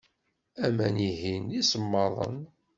Aman-ihin d isemmaḍen.